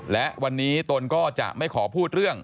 และวันนี้ตนก็จะไม่ขอพูดเรื่อง